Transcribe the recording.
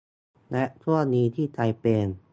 และช่วงนี้ที่ไทเป